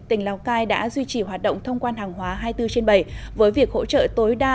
tỉnh lào cai đã duy trì hoạt động thông quan hàng hóa hai mươi bốn trên bảy với việc hỗ trợ tối đa